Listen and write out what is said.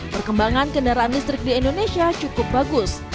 perkembangan kendaraan listrik di indonesia cukup bagus